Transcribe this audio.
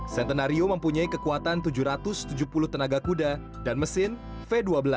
centenario mempunyai kekuatan tujuh ratus tujuh puluh tenaga kuda dan mesin v dua belas